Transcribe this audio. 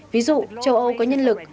ví dụ châu âu có nhân lực